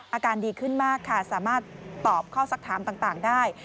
อาการดีขึ้นมากค่ะสามารถตอบข้อสักถามต่างได้